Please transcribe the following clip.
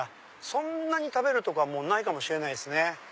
そんなに食べるとこはもうないかもしれないっすね。